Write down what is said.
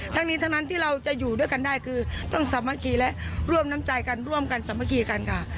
ทั้งนี้ทั้งนั้นที่เราจะอยู่ด้วยกันได้คือต้องสามัคคีและร่วมน้ำใจกันร่วมกันสามัคคีกันค่ะ